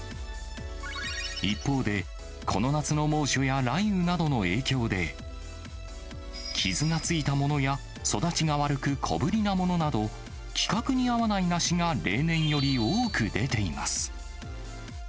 一方で、この夏の猛暑や雷雨などの影響で、傷がついたものや、育ちが悪く、小ぶりなものなど、規格に合わない梨が例年より多く出ています。